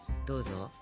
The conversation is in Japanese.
どうぞ。